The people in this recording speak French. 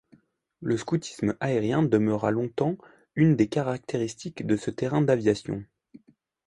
Le scoutisme aérien demeura longtemps une des caractéristiques de ce terrain d'aviation.